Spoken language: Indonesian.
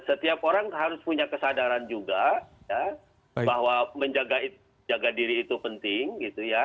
setiap orang harus punya kesadaran juga ya bahwa menjaga diri itu penting gitu ya